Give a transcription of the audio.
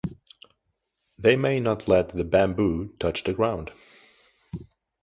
They may not let the bamboo touch the ground.